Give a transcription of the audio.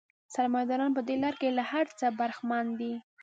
سرمایه داران په دې لار کې له هر څه برخمن دي